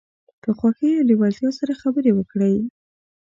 په خوښۍ او لیوالتیا سره خبرې وکړئ.